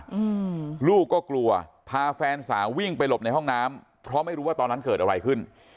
อืมลูกก็กลัวพาแฟนสาววิ่งไปหลบในห้องน้ำเพราะไม่รู้ว่าตอนนั้นเกิดอะไรขึ้น